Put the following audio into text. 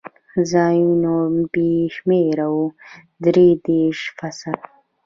ځایونه بې شمېره و، درې دېرشم فصل.